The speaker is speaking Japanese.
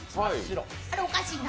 あれ、おかしいな。